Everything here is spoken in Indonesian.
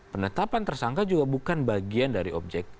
penetapan tersangka juga bukan bagian dari objek